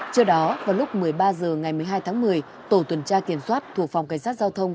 trước đó vào lúc một mươi ba h ngày một mươi hai tháng một mươi tổ tuần tra kiểm soát thuộc phòng cảnh sát giao thông